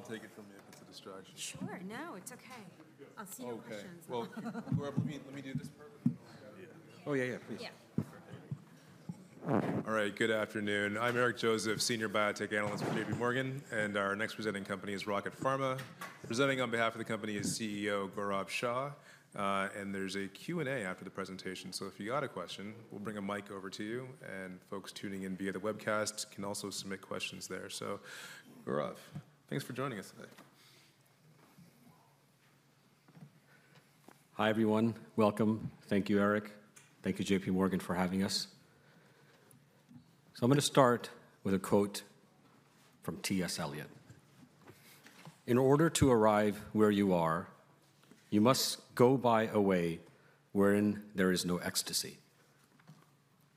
I'll take it from you if it's a distraction. Sure. No, it's okay. I'll see you in the questions. Okay. Well, let me do this part. Yeah. Oh, yeah, yeah. Please. Yeah. All right. Good afternoon. I'm Eric Joseph, Senior Biotech Analyst with J.P. Morgan. And our next presenting company is Rocket Pharma. Presenting on behalf of the company is CEO Gaurav Shah. And there's a Q&A after the presentation. So if you've got a question, we'll bring a mic over to you. And folks tuning in via the webcast can also submit questions there. So Gaurav, thanks for joining us today. Hi, everyone. Welcome. Thank you, Eric. Thank you, J.P. Morgan, for having us, so I'm going to start with a quote from T.S. Eliot. "In order to arrive where you are, you must go by a way wherein there is no ecstasy."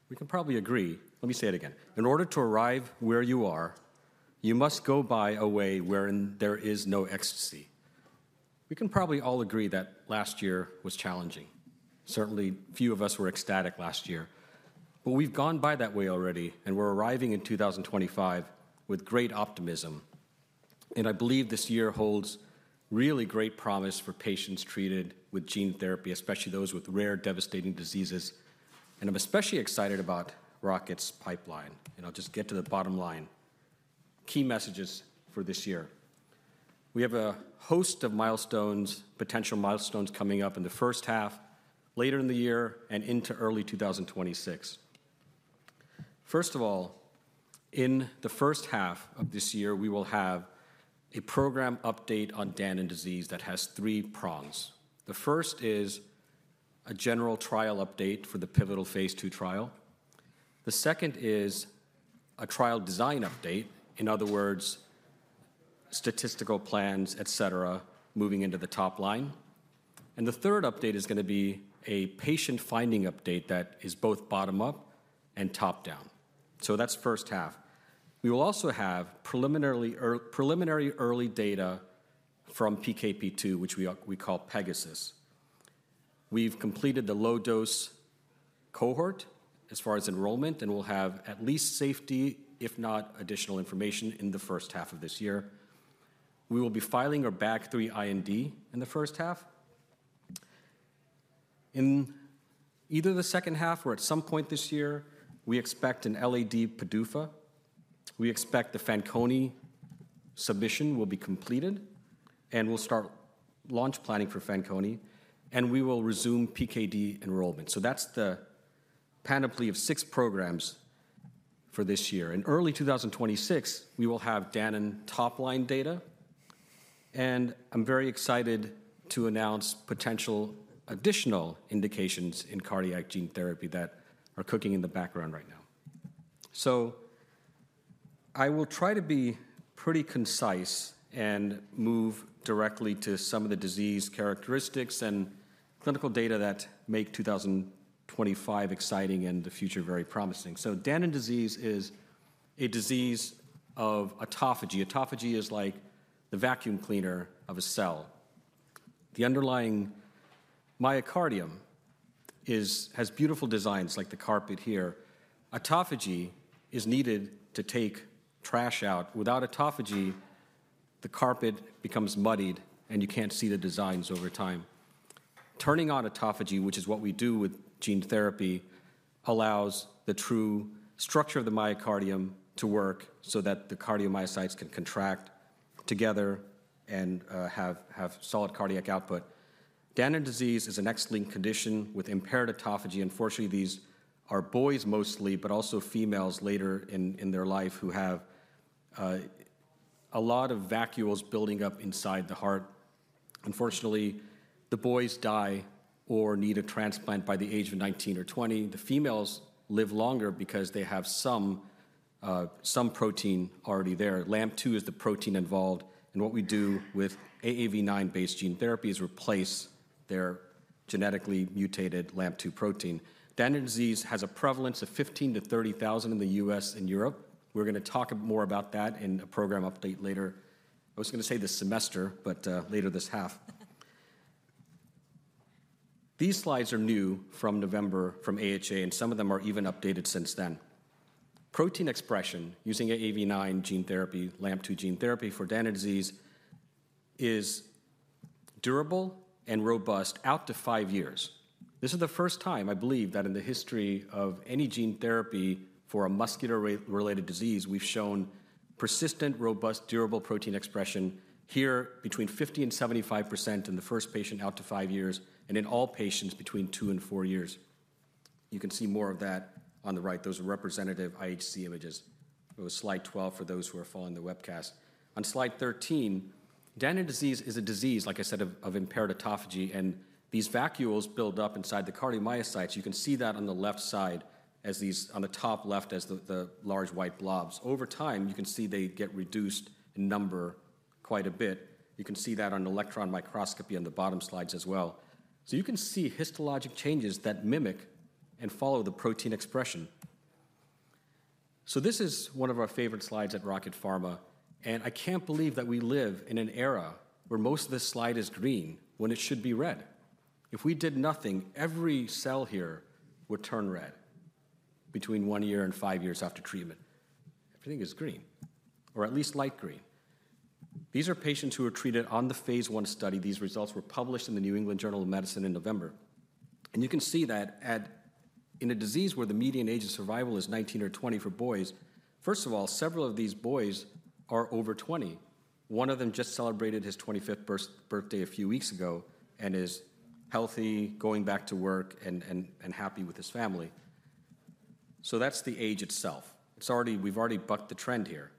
We can probably agree. Let me say it again. In order to arrive where you are, you must go by a way wherein there is no ecstasy. We can probably all agree that last year was challenging. Certainly, few of us were ecstatic last year. But we've gone by that way already, and we're arriving in 2025 with great optimism, and I believe this year holds really great promise for patients treated with gene therapy, especially those with rare, devastating diseases, and I'm especially excited about Rocket's pipeline. And I'll just get to the bottom line. Key messages for this year. We have a host of potential milestones coming up in the first half, later in the year, and into early 2026. First of all, in the first half of this year, we will have a program update on Danon disease that has three prongs. The first is a general trial update for the pivotal phase 2 trial. The second is a trial design update. In other words, statistical plans, et cetera, moving into the top line. And the third update is going to be a patient-finding update that is both bottom-up and top-down. So that's first half. We will also have preliminary early data from PKP2, which we call Pegasus. We've completed the low-dose cohort as far as enrollment. And we'll have at least safety, if not additional information, in the first half of this year. We will be filing our BAG3 IND in the first half. In either the second half or at some point this year, we expect an LAD PDUFA. We expect the Fanconi submission will be completed. And we'll start launch planning for Fanconi. And we will resume PKD enrollment. So that's the panoply of six programs for this year. In early 2026, we will have Danon top-line data. And I'm very excited to announce potential additional indications in cardiac gene therapy that are cooking in the background right now. So I will try to be pretty concise and move directly to some of the disease characteristics and clinical data that make 2025 exciting and the future very promising. So Danon disease is a disease of autophagy. Autophagy is like the vacuum cleaner of a cell. The underlying myocardium has beautiful designs, like the carpet here. Autophagy is needed to take trash out. Without autophagy, the carpet becomes muddied. You can't see the designs over time. Turning on autophagy, which is what we do with gene therapy, allows the true structure of the myocardium to work so that the cardiomyocytes can contract together and have solid cardiac output. Danon disease is an X-linked condition with impaired autophagy. Unfortunately, these are boys mostly, but also females later in their life who have a lot of vacuoles building up inside the heart. Unfortunately, the boys die or need a transplant by the age of 19 or 20. The females live longer because they have some protein already there. LAMP2 is the protein involved. What we do with AAV9-based gene therapy is replace their genetically mutated LAMP2 protein. Danon disease has a prevalence of 15,000-30,000 in the US and Europe. We're going to talk more about that in a program update later. I was going to say this semester, but later this half. These slides are new from November from AHA. Some of them are even updated since then. Protein expression using AAV9 gene therapy, LAMP2 gene therapy for Danon disease is durable and robust out to five years. This is the first time, I believe, that in the history of any gene therapy for a muscular-related disease, we've shown persistent, robust, durable protein expression here between 50% and 75% in the first patient out to five years and in all patients between two and four years. You can see more of that on the right. Those are representative IHC images. It was slide 12 for those who are following the webcast. On slide 13, Danon disease is a disease, like I said, of impaired autophagy. These vacuoles build up inside the cardiomyocytes. You can see that on the left side, as these on the top left as the large white blobs. Over time, you can see they get reduced in number quite a bit. You can see that on electron microscopy on the bottom slides as well, so you can see histologic changes that mimic and follow the protein expression, so this is one of our favorite slides at Rocket Pharma, and I can't believe that we live in an era where most of this slide is green when it should be red. If we did nothing, every cell here would turn red between one year and five years after treatment. Everything is green, or at least light green. These are patients who are treated on the phase one study. These results were published in the New England Journal of Medicine in November. You can see that in a disease where the median age of survival is 19 or 20 for boys. First of all, several of these boys are over 20. One of them just celebrated his 25th birthday a few weeks ago and is healthy, going back to work, and happy with his family. That's the age itself. We've already bucked the trend here.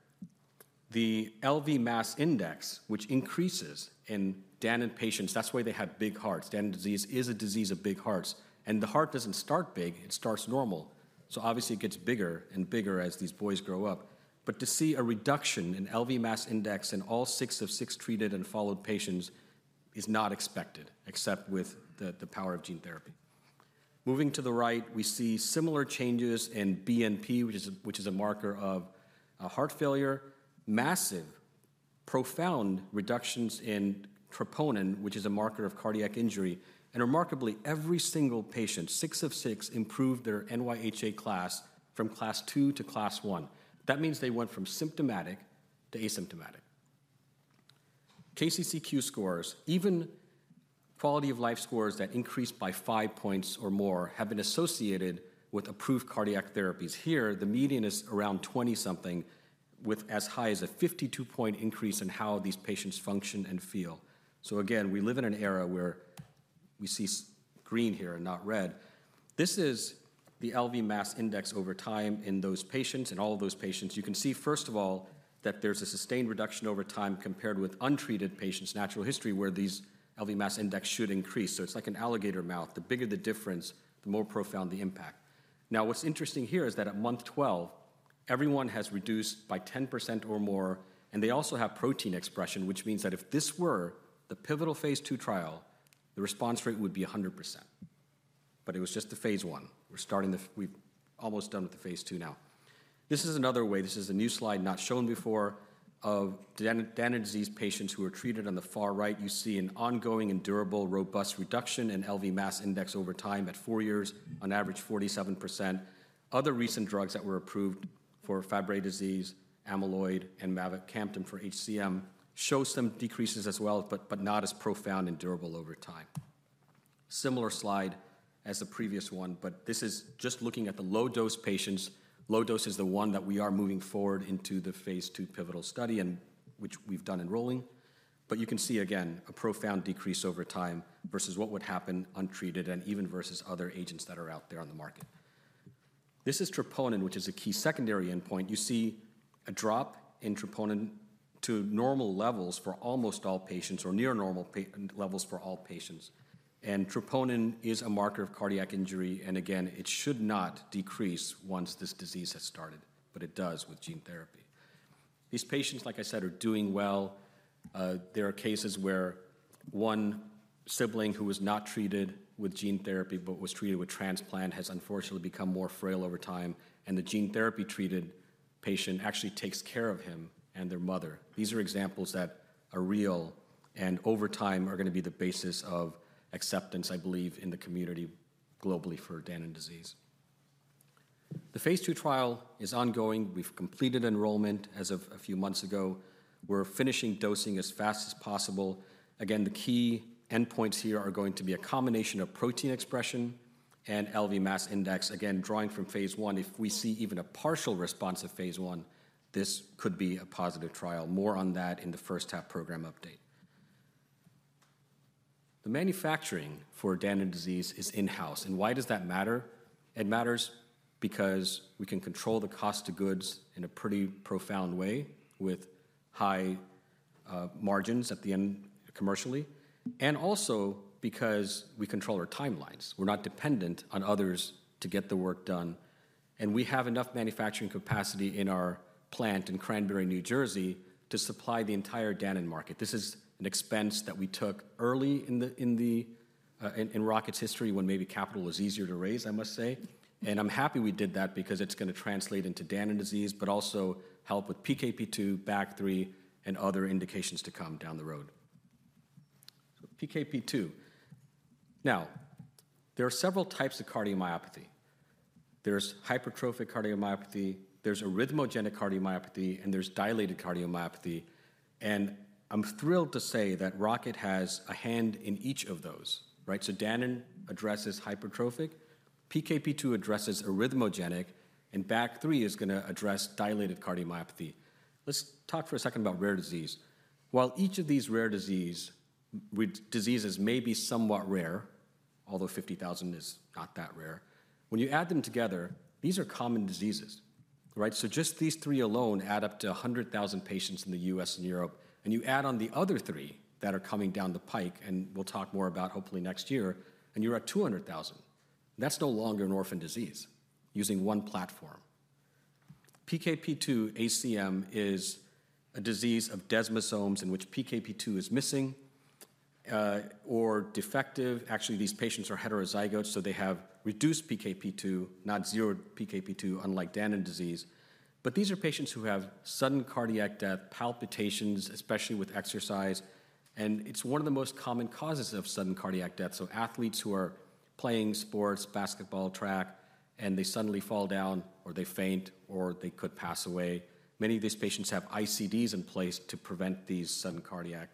The LV mass index, which increases in Danon patients, that's why they have big hearts. Danon disease is a disease of big hearts. The heart doesn't start big. It starts normal. So obviously, it gets bigger and bigger as these boys grow up. To see a reduction in LV mass index in all six of six treated and followed patients is not expected, except with the power of gene therapy. Moving to the right, we see similar changes in BNP, which is a marker of heart failure, massive, profound reductions in troponin, which is a marker of cardiac injury. And remarkably, every single patient, six of six, improved their NYHA class from class two to class one. That means they went from symptomatic to asymptomatic. KCCQ scores, even quality of life scores that increased by five points or more, have been associated with approved cardiac therapies. Here, the median is around 20-something with as high as a 52-point increase in how these patients function and feel. So again, we live in an era where we see green here and not red. This is the LV mass index over time in those patients. All of those patients, you can see, first of all, that there's a sustained reduction over time compared with untreated patients, natural history, where these LV mass index should increase. It's like an alligator mouth. The bigger the difference, the more profound the impact. Now, what's interesting here is that at month 12, everyone has reduced by 10% or more. They also have protein expression, which means that if this were the pivotal phase 2 trial, the response rate would be 100%. But it was just the phase 1. We're almost done with the phase 2 now. This is another way. This is a new slide not shown before of Danon disease patients who are treated on the far right. You see an ongoing and durable, robust reduction in LV mass index over time at four years, on average 47%. Other recent drugs that were approved for Fabry disease, amyloidosis, and mavacamten for HCM show some decreases as well, but not as profound and durable over time. Similar slide as the previous one. But this is just looking at the low-dose patients. Low dose is the one that we are moving forward into the phase 2 pivotal study, which we've done enrolling. But you can see, again, a profound decrease over time versus what would happen untreated and even versus other agents that are out there on the market. This is troponin, which is a key secondary endpoint. You see a drop in troponin to normal levels for almost all patients or near normal levels for all patients. And troponin is a marker of cardiac injury. And again, it should not decrease once this disease has started. But it does with gene therapy. These patients, like I said, are doing well. There are cases where one sibling who was not treated with gene therapy but was treated with transplant has, unfortunately, become more frail over time. And the gene therapy-treated patient actually takes care of him and their mother. These are examples that are real and over time are going to be the basis of acceptance, I believe, in the community globally for Danon disease. The phase two trial is ongoing. We've completed enrollment as of a few months ago. We're finishing dosing as fast as possible. Again, the key endpoints here are going to be a combination of protein expression and LV mass index. Again, drawing from phase one, if we see even a partial response of phase one, this could be a positive trial. More on that in the first half program update. The manufacturing for Danon disease is in-house. And why does that matter? It matters because we can control the cost of goods in a pretty profound way with high margins at the end commercially. And also because we control our timelines. We're not dependent on others to get the work done. And we have enough manufacturing capacity in our plant in Cranbury, New Jersey, to supply the entire Danon market. This is an expense that we took early in Rocket's history when maybe capital was easier to raise, I must say. And I'm happy we did that because it's going to translate into Danon disease, but also help with PKP2, BAG3, and other indications to come down the road. So PKP2. Now, there are several types of cardiomyopathy. There's hypertrophic cardiomyopathy. There's arrhythmogenic cardiomyopathy. And there's dilated cardiomyopathy. And I'm thrilled to say that Rocket has a hand in each of those. So Danon addresses hypertrophic. PKP2 addresses arrhythmogenic, and BAG3 is going to address dilated cardiomyopathy. Let's talk for a second about rare disease. While each of these rare diseases may be somewhat rare, although 50,000 is not that rare, when you add them together, these are common diseases. So just these three alone add up to 100,000 patients in the U.S. and Europe, and you add on the other three that are coming down the pike, and we'll talk more about hopefully next year, and you're at 200,000. That's no longer an orphan disease using one platform. PKP2 ACM is a disease of desmosomes in which PKP2 is missing or defective. Actually, these patients are heterozygous. So they have reduced PKP2, not zero PKP2, unlike Danon disease, but these are patients who have sudden cardiac death, palpitations, especially with exercise, and it's one of the most common causes of sudden cardiac death. Athletes who are playing sports, basketball, track, and they suddenly fall down or they faint or they could pass away. Many of these patients have ICDs in place to prevent these sudden cardiac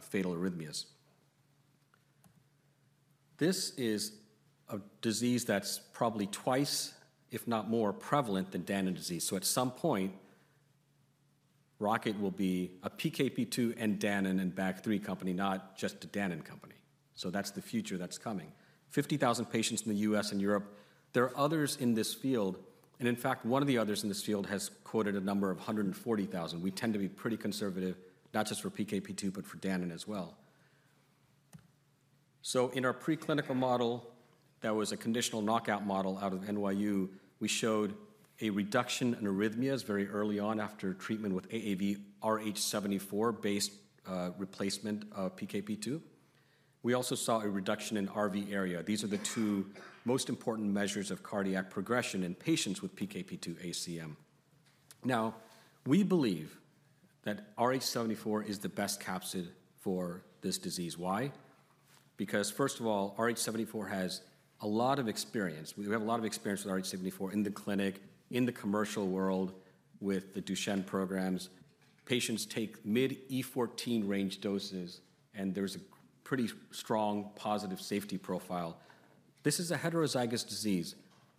fatal arrhythmias. This is a disease that's probably twice, if not more, prevalent than Danon disease. At some point, Rocket will be a PKP2 and Danon and BAG3 company, not just a Danon company. That's the future that's coming. 50,000 patients in the U.S. and Europe. There are others in this field. In fact, one of the others in this field has quoted a number of 140,000. We tend to be pretty conservative, not just for PKP2, but for Danon as well. In our preclinical model that was a conditional knockout model out of NYU, we showed a reduction in arrhythmias very early on after treatment with AAVrh74-based replacement of PKP2. We also saw a reduction in RV area. These are the two most important measures of cardiac progression in patients with PKP2 ACM. Now, we believe that Rh74 is the best capsid for this disease. Why? Because, first of all, Rh74 has a lot of experience. We have a lot of experience with Rh74 in the clinic, in the commercial world with the Duchenne programs. Patients take mid-E14 range doses. And there's a pretty strong positive safety profile. This is a heterozygous disease.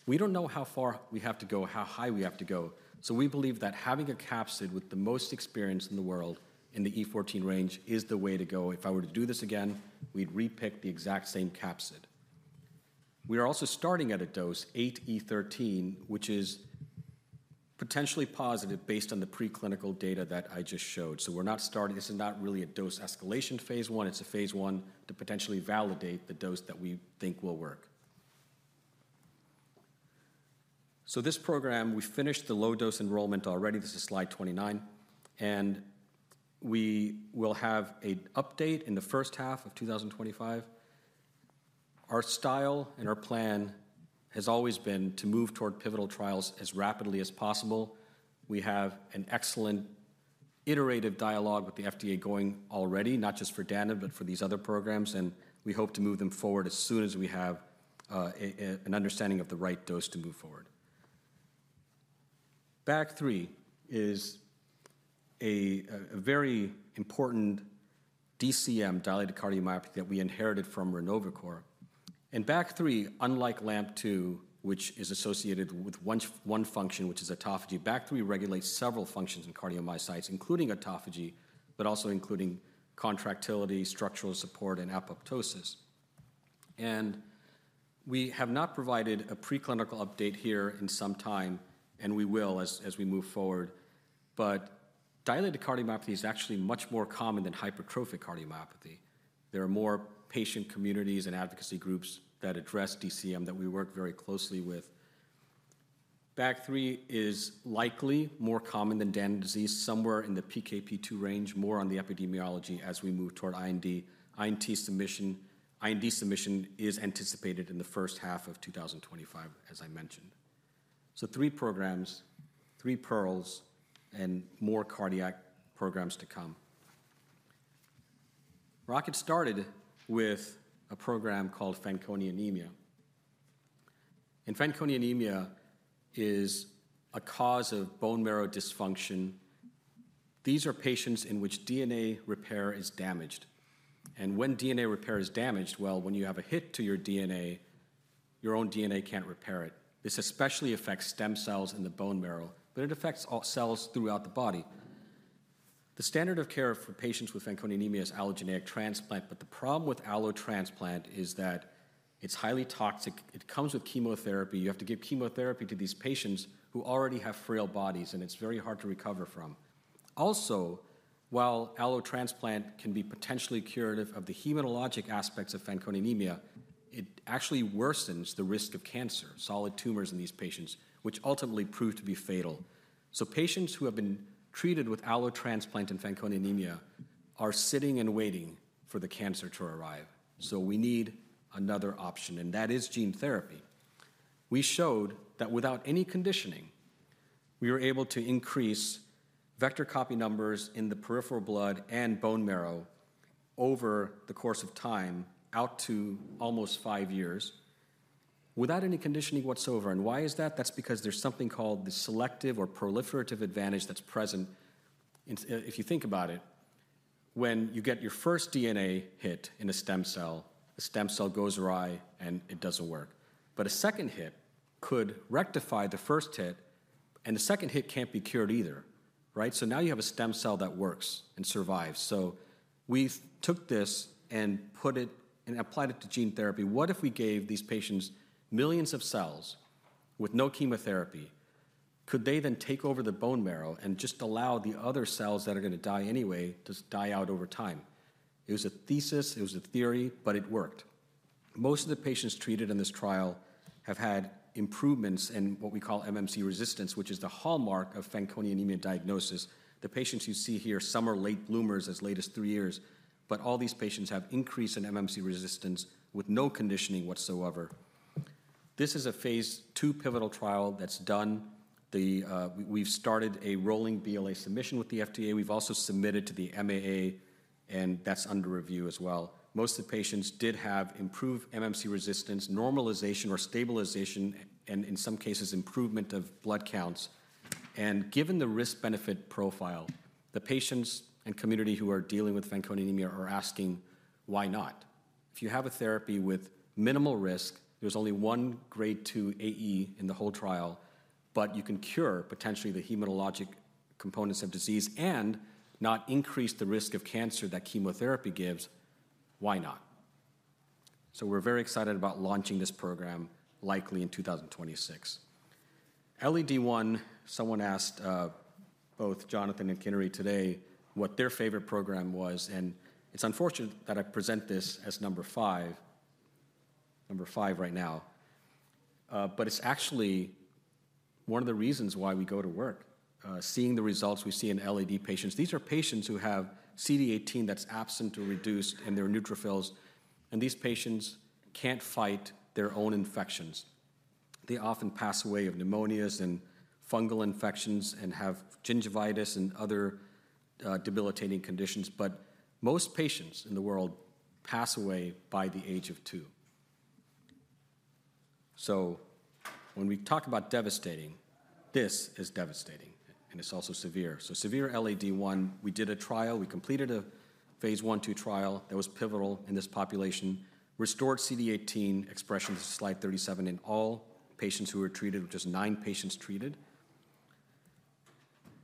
We don't know how far we have to go, how high we have to go. So we believe that having a capsid with the most experience in the world in the E14 range is the way to go. If I were to do this again, we'd repick the exact same capsid. We are also starting at a dose, 8E13, which is potentially positive based on the preclinical data that I just showed, so we're not starting. This is not really a dose escalation phase 1. It's a phase 1 to potentially validate the dose that we think will work, so this program, we finished the low-dose enrollment already. This is slide 29. We will have an update in the first half of 2025. Our style and our plan has always been to move toward pivotal trials as rapidly as possible. We have an excellent iterative dialogue with the FDA going already, not just for Danon, but for these other programs. We hope to move them forward as soon as we have an understanding of the right dose to move forward. BAG3 is a very important DCM, dilated cardiomyopathy, that we inherited from Renovacor. And BAG3, unlike LAMP2, which is associated with one function, which is autophagy, BAG3 regulates several functions in cardiomyocytes, including autophagy, but also including contractility, structural support, and apoptosis. And we have not provided a preclinical update here in some time. And we will as we move forward. But dilated cardiomyopathy is actually much more common than hypertrophic cardiomyopathy. There are more patient communities and advocacy groups that address DCM that we work very closely with. BAG3 is likely more common than Danon disease somewhere in the PKP2 range, more on the epidemiology as we move toward IND. IND submission is anticipated in the first half of 2025, as I mentioned. So three programs, three pearls, and more cardiac programs to come. Rocket started with a program called Fanconi anemia. And Fanconi anemia is a cause of bone marrow dysfunction. These are patients in which DNA repair is damaged. And when DNA repair is damaged, well, when you have a hit to your DNA, your own DNA can't repair it. This especially affects stem cells in the bone marrow. But it affects all cells throughout the body. The standard of care for patients with Fanconi anemia is allogeneic transplant. But the problem with allotransplant is that it's highly toxic. It comes with chemotherapy. You have to give chemotherapy to these patients who already have frail bodies. And it's very hard to recover from. Also, while allotransplant can be potentially curative of the hematologic aspects of Fanconi anemia, it actually worsens the risk of cancer, solid tumors in these patients, which ultimately proved to be fatal. So patients who have been treated with allotransplant and Fanconi anemia are sitting and waiting for the cancer to arrive. So we need another option. And that is gene therapy. We showed that without any conditioning, we were able to increase vector copy numbers in the peripheral blood and bone marrow over the course of time out to almost five years without any conditioning whatsoever. And why is that? That's because there's something called the selective or proliferative advantage that's present. If you think about it, when you get your first DNA hit in a stem cell, the stem cell goes awry and it doesn't work. But a second hit could rectify the first hit. And the second hit can't be cured either. So now you have a stem cell that works and survives. So we took this and put it and applied it to gene therapy. What if we gave these patients millions of cells with no chemotherapy? Could they then take over the bone marrow and just allow the other cells that are going to die anyway to die out over time? It was a thesis. It was a theory, but it worked. Most of the patients treated in this trial have had improvements in what we call MMC resistance, which is the hallmark of Fanconi anemia diagnosis. The patients you see here, some are late bloomers as late as three years, but all these patients have increased in MMC resistance with no conditioning whatsoever. This is a phase two pivotal trial that's done. We've started a rolling BLA submission with the FDA. We've also submitted to the MAA, and that's under review as well. Most of the patients did have improved MMC resistance, normalization, or stabilization, and in some cases, improvement of blood counts. Given the risk-benefit profile, the patients and community who are dealing with Fanconi anemia are asking, why not? If you have a therapy with minimal risk, there's only one grade 2 AE in the whole trial. But you can cure potentially the hematologic components of disease and not increase the risk of cancer that chemotherapy gives, why not? So we're very excited about launching this program likely in 2026. LAD-I, someone asked both Jonathan and Kinnari today what their favorite program was. And it's unfortunate that I present this as number five, number five right now. But it's actually one of the reasons why we go to work, seeing the results we see in LAD patients. These are patients who have CD18 that's absent or reduced in their neutrophils. And these patients can't fight their own infections. They often pass away of pneumonias and fungal infections and have gingivitis and other debilitating conditions. But most patients in the world pass away by the age of two. So when we talk about devastating, this is devastating. And it's also severe. So severe LAD-I, we did a trial. We completed a phase 1/2 trial that was pivotal in this population, restored CD18 expression to slide 37 in all patients who were treated, which is nine patients treated.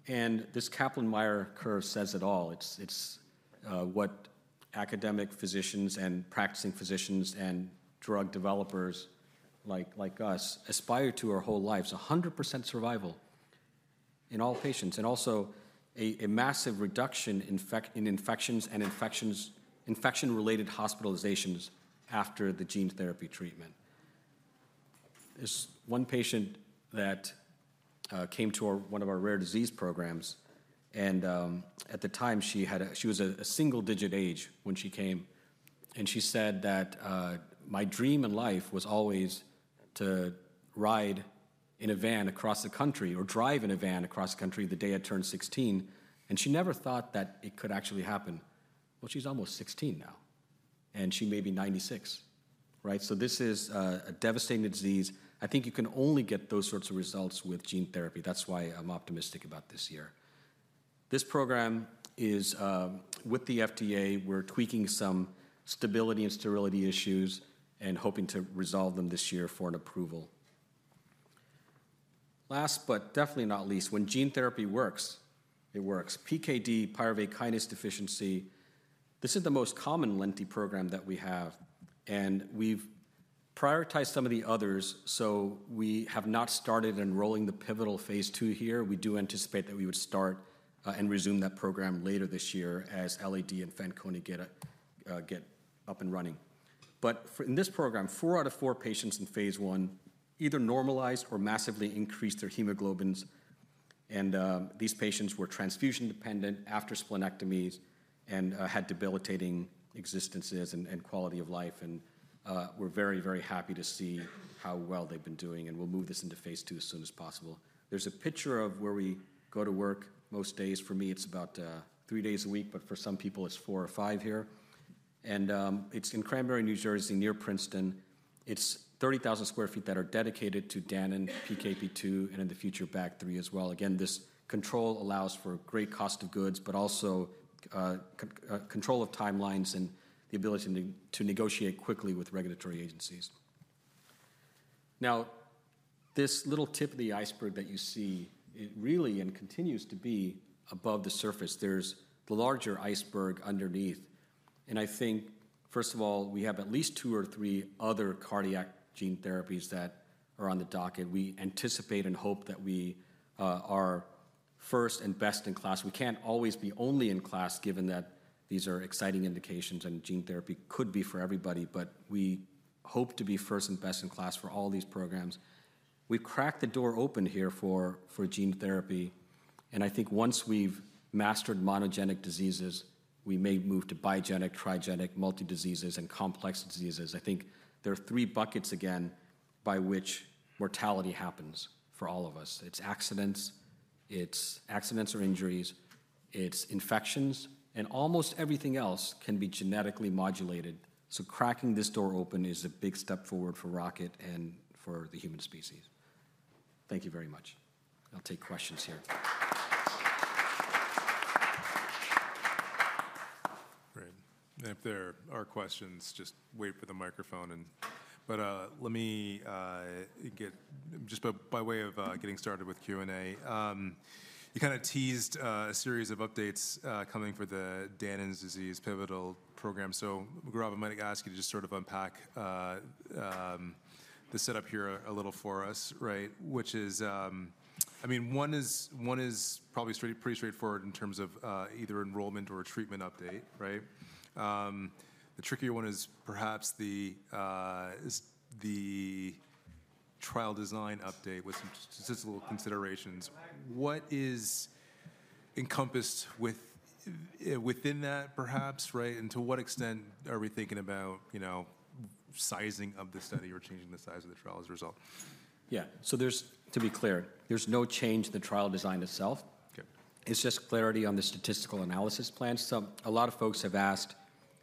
And this Kaplan-Meier curve says it all. It's what academic physicians and practicing physicians and drug developers like us aspire to our whole lives, 100% survival in all patients, and also a massive reduction in infections and infection-related hospitalizations after the gene therapy treatment. There's one patient that came to one of our rare disease programs. And at the time, she was a single-digit age when she came. She said that, "My dream in life was always to ride in a van across the country or drive in a van across the country the day I turned 16." She never thought that it could actually happen. She's almost 16 now. She may be 96. This is a devastating disease. I think you can only get those sorts of results with gene therapy. That's why I'm optimistic about this year. This program is with the FDA. We're tweaking some stability and sterility issues and hoping to resolve them this year for an approval. Last, but definitely not least, when gene therapy works, it works. PKD, pyruvate kinase deficiency, this is the most common lenti program that we have. We've prioritized some of the others. We have not started enrolling the pivotal phase 2 here. We do anticipate that we would start and resume that program later this year as LAD and Fanconi get up and running. But in this program, four out of four patients in phase one either normalized or massively increased their hemoglobins, and these patients were transfusion dependent after splenectomies and had debilitating existences and quality of life. And we're very, very happy to see how well they've been doing, and we'll move this into phase two as soon as possible. There's a picture of where we go to work most days. For me, it's about three days a week, but for some people, it's four or five here, and it's in Cranbury, New Jersey, near Princeton. It's 30,000 sq ft that are dedicated to Danon, PKP2, and in the future, BAG3 as well. Again, this control allows for great cost of goods, but also control of timelines and the ability to negotiate quickly with regulatory agencies. Now, this little tip of the iceberg that you see, it really and continues to be above the surface. There's the larger iceberg underneath. And I think, first of all, we have at least two or three other cardiac gene therapies that are on the docket. We anticipate and hope that we are first and best in class. We can't always be only in class, given that these are exciting indications. And gene therapy could be for everybody. But we hope to be first and best in class for all these programs. We've cracked the door open here for gene therapy. And I think once we've mastered monogenic diseases, we may move to bigenic, trigenic, multi-diseases, and complex diseases. I think there are three buckets again by which mortality happens for all of us. It's accidents or injuries. It's infections. And almost everything else can be genetically modulated. So cracking this door open is a big step forward for Rocket and for the human species. Thank you very much. I'll take questions here. Great. And if there are questions, just wait for the microphone. But let me get just by way of getting started with Q&A. You kind of teased a series of updates coming for the Danon disease pivotal program. So Gaurav, I might ask you to just sort of unpack the setup here a little for us, which is, I mean, one is probably pretty straightforward in terms of either enrollment or treatment update. The trickier one is perhaps the trial design update with some statistical considerations. What is encompassed within that, perhaps? And to what extent are we thinking about sizing of the study or changing the size of the trial as a result? Yeah. So to be clear, there's no change in the trial design itself. It's just clarity on the statistical analysis plan. So a lot of folks have asked,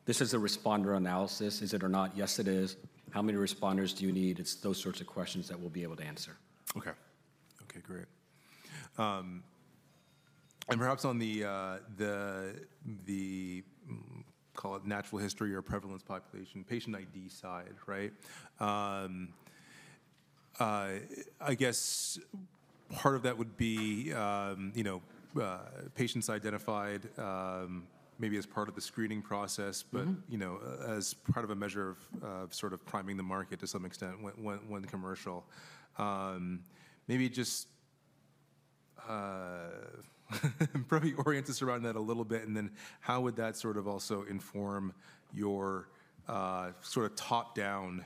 this is a responder analysis. Is it or not? Yes, it is. How many responders do you need? It's those sorts of questions that we'll be able to answer. OK. OK, great. And perhaps on the, call it, natural history or prevalence population, patient ID side, I guess part of that would be patients identified maybe as part of the screening process, but as part of a measure of sort of priming the market to some extent when commercial. Maybe just probably orient us around that a little bit. And then how would that sort of also inform your sort of top-down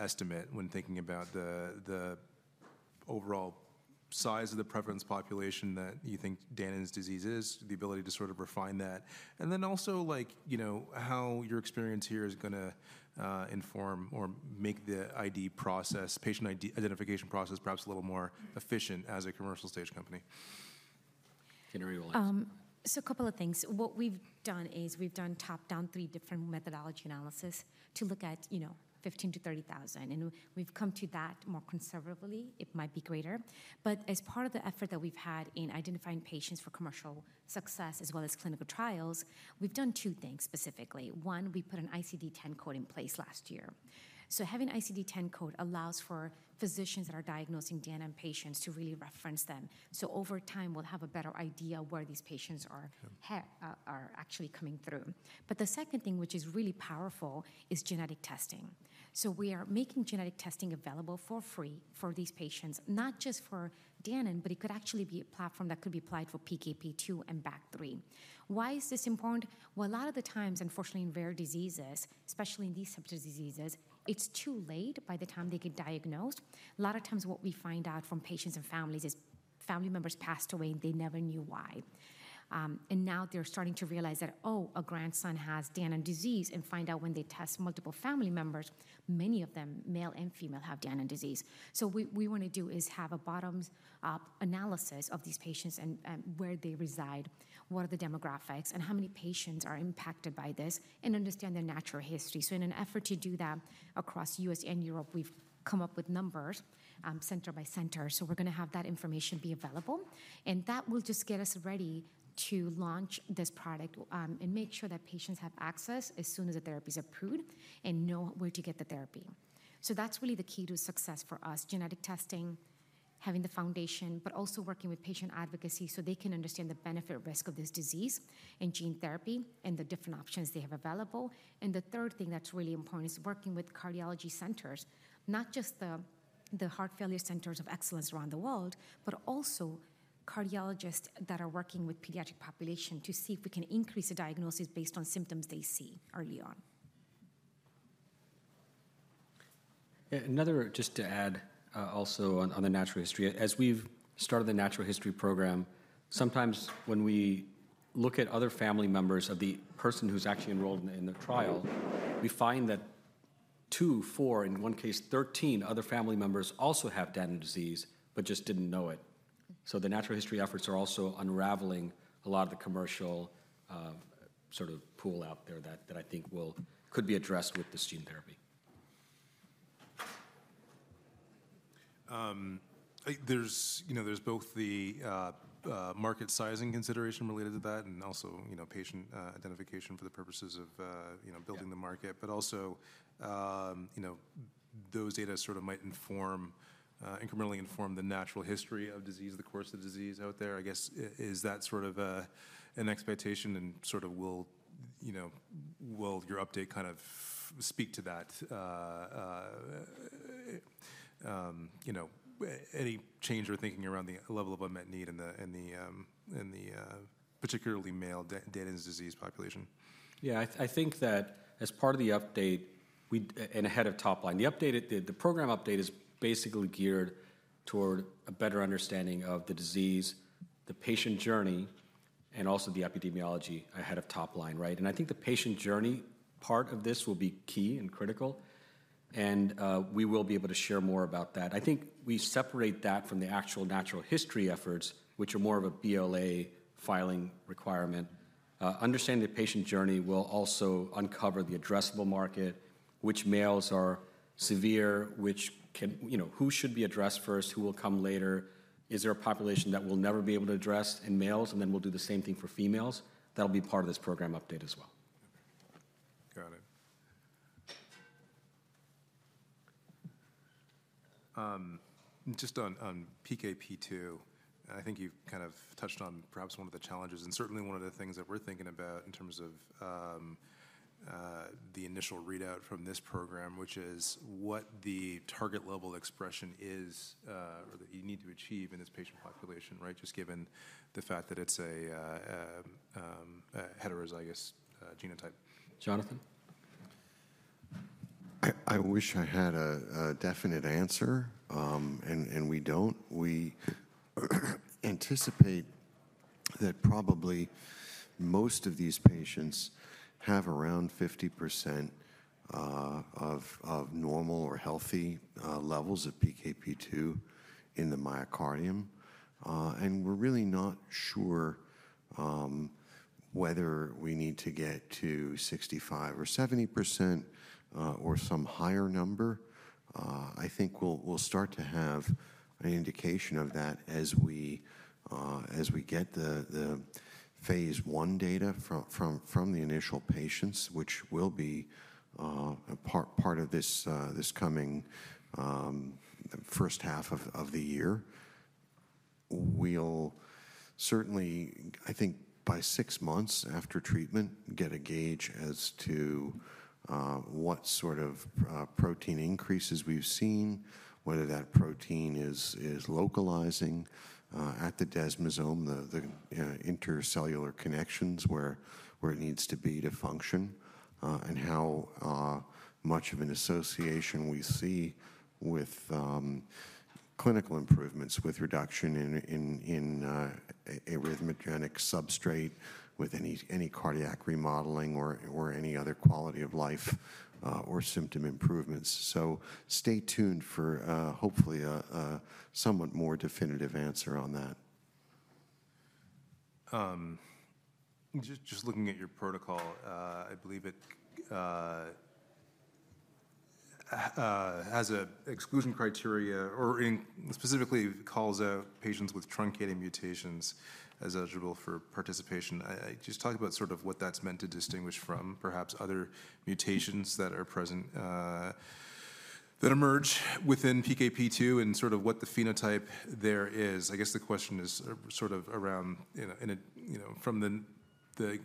estimate when thinking about the overall size of the prevalence population that you think Danon disease is, the ability to sort of refine that? And then also how your experience here is going to inform or make the ID process, patient ID identification process, perhaps a little more efficient as a commercial stage company. So a couple of things. What we've done is we've done top-down three different methodology analysis to look at 15,000-30,000. And we've come to that more conservatively. It might be greater. But as part of the effort that we've had in identifying patients for commercial success as well as clinical trials, we've done two things specifically. One, we put an ICD-10 code in place last year. So having ICD-10 code allows for physicians that are diagnosing Danon patients to really reference them. So over time, we'll have a better idea where these patients are actually coming through. But the second thing, which is really powerful, is genetic testing. So we are making genetic testing available for free for these patients, not just for Danon, but it could actually be a platform that could be applied for PKP2 and BAG3. Why is this important? A lot of the times, unfortunately, in rare diseases, especially in these types of diseases, it's too late by the time they get diagnosed. A lot of times what we find out from patients and families is family members passed away, and they never knew why, and now they're starting to realize that, oh, a grandson has Danon disease and find out when they test multiple family members, many of them, male and female, have Danon disease, so what we want to do is have a bottoms-up analysis of these patients and where they reside, what are the demographics, and how many patients are impacted by this, and understand their natural history, so in an effort to do that across the U.S. and Europe, we've come up with numbers center by center, so we're going to have that information be available. And that will just get us ready to launch this product and make sure that patients have access as soon as the therapy is approved and know where to get the therapy. So that's really the key to success for us, genetic testing, having the foundation, but also working with patient advocacy so they can understand the benefit risk of this disease and gene therapy and the different options they have available. And the third thing that's really important is working with cardiology centers, not just the heart failure centers of excellence around the world, but also cardiologists that are working with pediatric population to see if we can increase the diagnosis based on symptoms they see early on. Another just to add also on the natural history, as we've started the natural history program, sometimes when we look at other family members of the person who's actually enrolled in the trial, we find that two, four, in one case, 13 other family members also have Danon disease but just didn't know it. So the natural history efforts are also unraveling a lot of the commercial sort of pool out there that I think could be addressed with this gene therapy. There's both the market sizing consideration related to that and also patient identification for the purposes of building the market. But also, those data sort of might incrementally inform the natural history of disease, the course of disease out there. I guess, is that sort of an expectation? And sort of will your update kind of speak to that? Any change or thinking around the level of unmet need in the particularly male Danon disease population? Yeah, I think that as part of the update and ahead of top line, the program update is basically geared toward a better understanding of the disease, the patient journey, and also the epidemiology ahead of top line, and I think the patient journey part of this will be key and critical, and we will be able to share more about that. I think we separate that from the actual natural history efforts, which are more of a BLA filing requirement. Understanding the patient journey will also uncover the addressable market, which males are severe, who should be addressed first, who will come later, is there a population that will never be able to address in males, and then we'll do the same thing for females. That'll be part of this program update as well. Got it. Just on PKP2, I think you've kind of touched on perhaps one of the challenges and certainly one of the things that we're thinking about in terms of the initial readout from this program, which is what the target level expression is or that you need to achieve in this patient population, just given the fact that it's a heterozygous genotype. Jonathan? I wish I had a definite answer, and we don't. We anticipate that probably most of these patients have around 50% of normal or healthy levels of PKP2 in the myocardium. We're really not sure whether we need to get to 65% or 70% or some higher number. I think we'll start to have an indication of that as we get the phase 1 data from the initial patients, which will be part of this coming first half of the year. We'll certainly, I think, by six months after treatment, get a gauge as to what sort of protein increases we've seen, whether that protein is localizing at the desmosome, the intercellular connections where it needs to be to function, and how much of an association we see with clinical improvements with reduction in arrhythmogenic substrate with any cardiac remodeling or any other quality of life or symptom improvements. So stay tuned for hopefully a somewhat more definitive answer on that. Just looking at your protocol, I believe it has an exclusion criteria or specifically calls out patients with truncated mutations as eligible for participation. Just talk about sort of what that's meant to distinguish from perhaps other mutations that are present that emerge within PKP2 and sort of what the phenotype there is. I guess the question is sort of around from the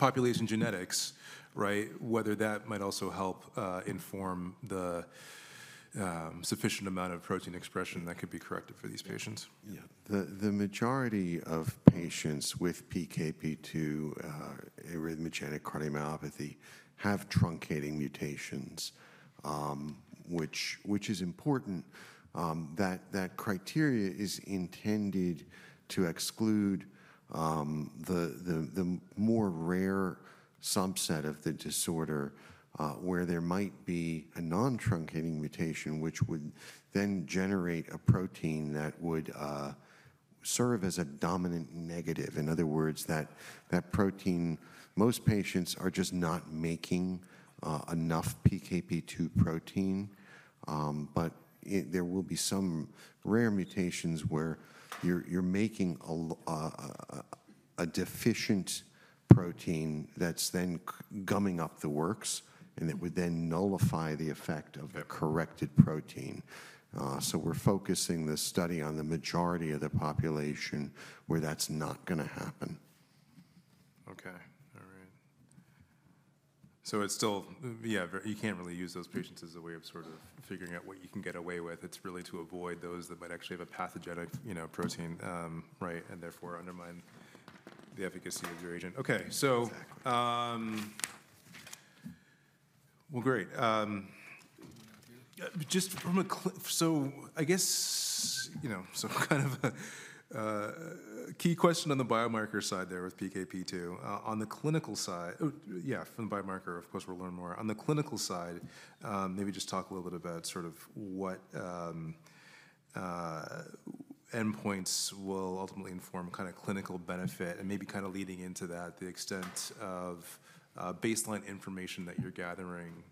population genetics, whether that might also help inform the sufficient amount of protein expression that could be corrected for these patients. Yeah. The majority of patients with PKP2 arrhythmogenic cardiomyopathy have truncating mutations, which is important. That criteria is intended to exclude the more rare subset of the disorder where there might be a non-truncating mutation, which would then generate a protein that would serve as a dominant negative. In other words, that protein, most patients are just not making enough PKP2 protein. But there will be some rare mutations where you're making a deficient protein that's then gumming up the works, and it would then nullify the effect of the corrected protein. So we're focusing this study on the majority of the population where that's not going to happen. OK. All right. So it's still, yeah, you can't really use those patients as a way of sort of figuring out what you can get away with. It's really to avoid those that might actually have a pathogenic protein and therefore undermine the efficacy of your agent. OK. Well, great. So I guess kind of a key question on the biomarker side there with PKP2. On the clinical side, yeah, from the biomarker, of course, we'll learn more. On the clinical side, maybe just talk a little bit about sort of what endpoints will ultimately inform kind of clinical benefit and maybe kind of leading into that, the extent of baseline information that you're gathering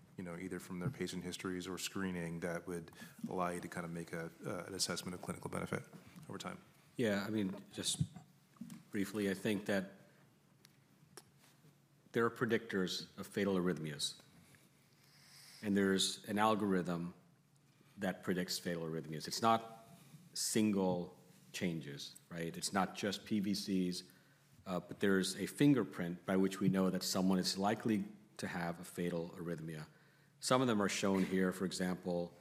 either from their patient histories or screening that would allow you to kind of make an assessment of clinical benefit over time. Yeah. I mean, just briefly, I think that there are predictors of fatal arrhythmias. And there's an algorithm that predicts fatal arrhythmias. It's not single changes. It's not just PVCs. But there's a fingerprint by which we know that someone is likely to have a fatal arrhythmia. Some of them are shown here, for example,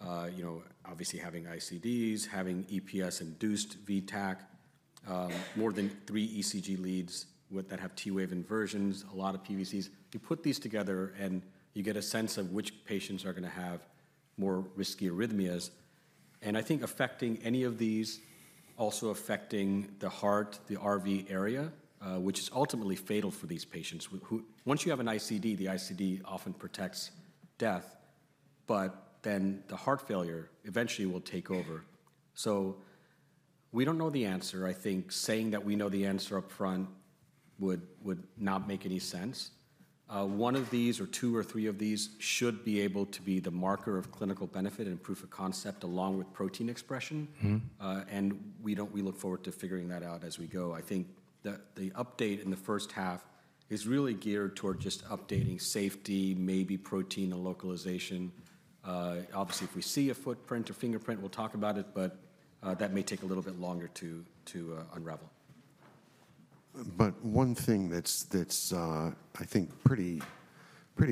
obviously having ICDs, having EPS-induced V-tach, more than three ECG leads that have T-wave inversions, a lot of PVCs. You put these together, and you get a sense of which patients are going to have more risky arrhythmias. And I think affecting any of these also affecting the heart, the RV area, which is ultimately fatal for these patients. Once you have an ICD, the ICD often protects death. But then the heart failure eventually will take over. So we don't know the answer. I think saying that we know the answer upfront would not make any sense. One of these or two or three of these should be able to be the marker of clinical benefit and proof of concept along with protein expression, and we look forward to figuring that out as we go. I think the update in the first half is really geared toward just updating safety, maybe protein and localization. Obviously, if we see a footprint or fingerprint, we'll talk about it, but that may take a little bit longer to unravel. But one thing that's, I think, pretty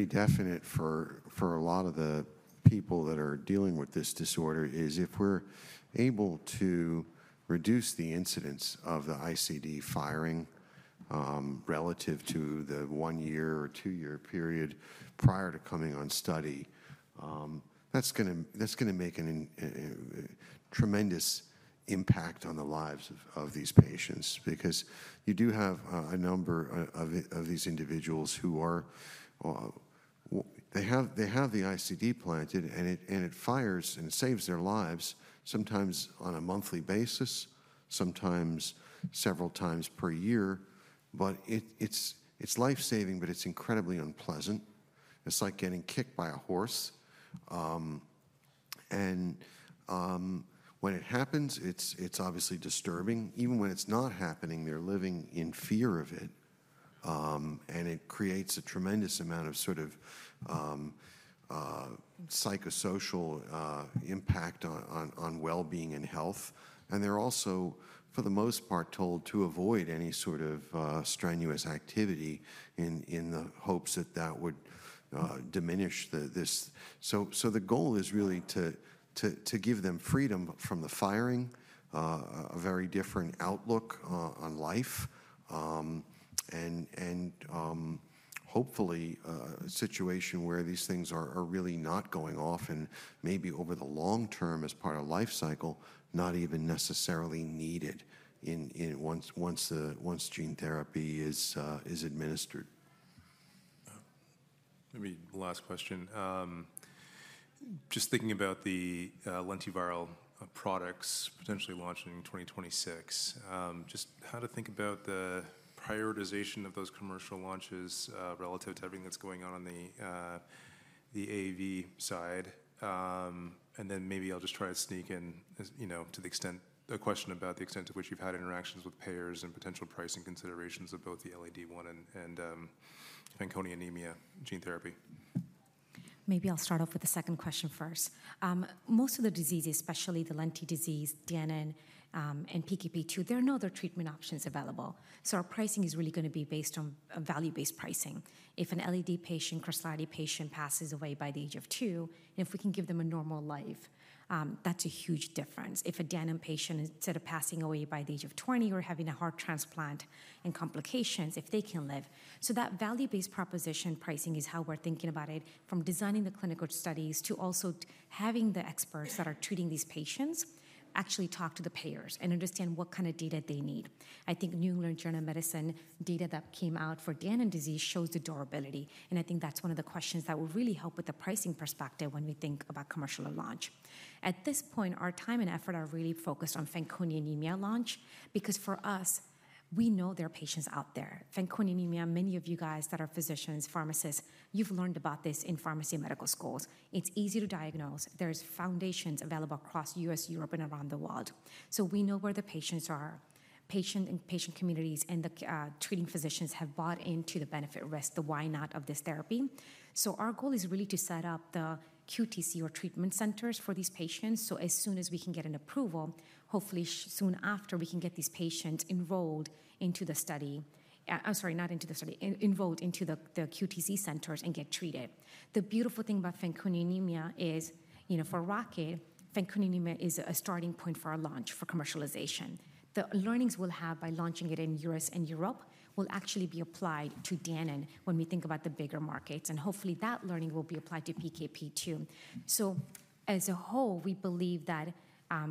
definite for a lot of the people that are dealing with this disorder is if we're able to reduce the incidence of the ICD firing relative to the one-year or two-year period prior to coming on study. That's going to make a tremendous impact on the lives of these patients because you do have a number of these individuals who they have the ICD implanted, and it fires and saves their lives sometimes on a monthly basis, sometimes several times per year. But it's lifesaving, but it's incredibly unpleasant. It's like getting kicked by a horse. And when it happens, it's obviously disturbing. Even when it's not happening, they're living in fear of it. And it creates a tremendous amount of sort of psychosocial impact on well-being and health. They're also, for the most part, told to avoid any sort of strenuous activity in the hopes that that would diminish this. The goal is really to give them freedom from the firing, a very different outlook on life, and hopefully a situation where these things are really not going off and maybe over the long term as part of life cycle, not even necessarily needed once gene therapy is administered. Maybe last question. Just thinking about the lentiviral products potentially launching in 2026, just how to think about the prioritization of those commercial launches relative to everything that's going on on the AAV side. And then maybe I'll just try to sneak in to the question about the extent to which you've had interactions with payers and potential pricing considerations of both the LAD1 and Fanconi anemia gene therapy. Maybe I'll start off with the second question first. Most of the diseases, especially the LAD disease, Danon, and PKP2, there are no other treatment options available. So our pricing is really going to be based on value-based pricing. If an LAD patient, Danon patient, passes away by the age of two, and if we can give them a normal life, that's a huge difference. If a Danon patient, instead of passing away by the age of 20 or having a heart transplant and complications, if they can live. So that value-based proposition pricing is how we're thinking about it from designing the clinical studies to also having the experts that are treating these patients actually talk to the payers and understand what kind of data they need. I think New England Journal of Medicine data that came out for Danon disease shows the durability. And I think that's one of the questions that will really help with the pricing perspective when we think about commercial launch. At this point, our time and effort are really focused on Fanconi anemia launch because for us, we know there are patients out there. Fanconi anemia, many of you guys that are physicians, pharmacists, you've learned about this in pharmacy and medical schools. It's easy to diagnose. There's foundations available across the U.S., Europe, and around the world. So we know where the patients are. Patient and patient communities and the treating physicians have bought into the benefit risk, the why not of this therapy. So our goal is really to set up the QTC or treatment centers for these patients. So as soon as we can get an approval, hopefully soon after, we can get these patients enrolled into the study. I'm sorry, not into the study, enrolled into the QTC centers and get treated. The beautiful thing about Fanconi anemia is for Rocket, Fanconi anemia is a starting point for our launch for commercialization. The learnings we'll have by launching it in the U.S. and Europe will actually be applied to Danon when we think about the bigger markets. And hopefully, that learning will be applied to PKP2. So as a whole, we believe that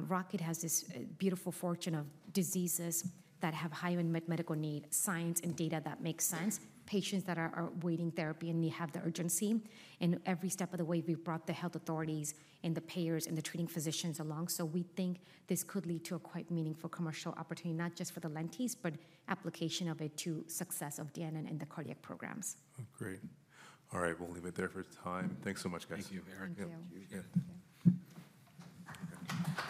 Rocket has this beautiful fortune of diseases that have high medical need, science and data that makes sense, patients that are awaiting therapy and they have the urgency. And every step of the way, we've brought the health authorities and the payers and the treating physicians along. We think this could lead to a quite meaningful commercial opportunity, not just for the lentis, but application of it to the success of Danon and the cardiac programs. Great. All right. We'll leave it there for time. Thanks so much, guys. Thank you, Eric. Thank you.